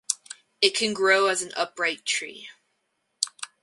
It can grow as an upright tree.